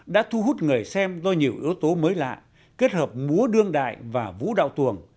đã thu hút người xem do nhiều yếu tố mới lạ kết hợp múa đương đại và vũ đạo tuồng